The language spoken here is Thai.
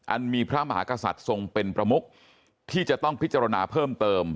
มีพระมหากษัตริย์ทรงเป็นประมุกที่จะต้องพิจารณาเพิ่มเติม